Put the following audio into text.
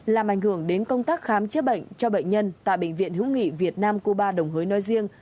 làm ảnh hưởng đến công tác khám chế bệnh cho bệnh nhân tại bệnh viện hữu nghị việt nam cô ba đồng hới nói riêng